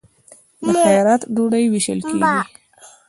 د خیرات ډوډۍ ویشل کیږي.